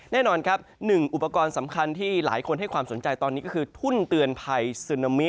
แน่นอนครับหนึ่งอุปกรณ์สำคัญที่หลายคนให้ความสนใจตอนนี้ก็คือทุ่นเตือนภัยซึนามิ